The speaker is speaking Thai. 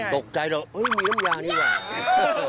ตกใจแล้วเฮ้ยมีน้ำยานี่กว่า